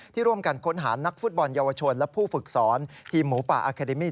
ร่วมกันค้นหานักฟุตบอลเยาวชนและผู้ฝึกสอนทีมหมูป่าอาคาเดมี่